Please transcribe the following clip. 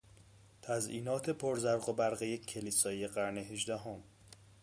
تزیینات پر زرق و برق یک کلیسای قرن هیجدهم